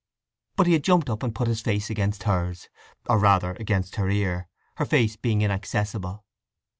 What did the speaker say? But he had jumped up and put his face against hers—or rather against her ear, her face being inaccessible.